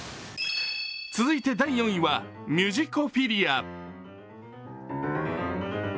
続いて第４位は「ミュジコフィリア」。